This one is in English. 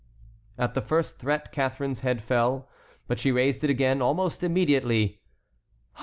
At the first threat Catharine's head fell; but she raised it again almost immediately.